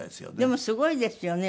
でもすごいですよね。